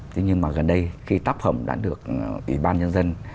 thế nhưng mà gần đây khi tác phẩm đã được ủy ban nhân dân